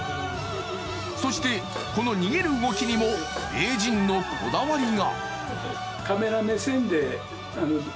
そして、この逃げる動きにも名人のこだわりが。